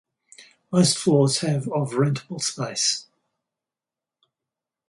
Most floors have of rentable space.